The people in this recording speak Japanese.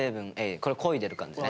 これ漕いでる感じね。